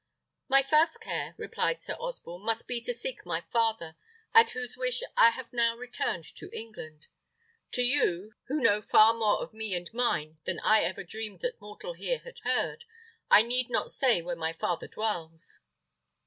"My first care," replied Sir Osborne, "must be to seek my father, at whose wish I have now returned to England. To you, who know far more of me and mine than I ever dreamed that mortal here had heard, I need not say where my father dwells."